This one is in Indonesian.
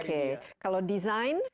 oke kalau desain